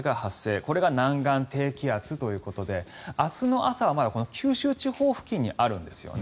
これが南岸低気圧ということで明日の朝は、まだ九州地方付近にあるんですよね。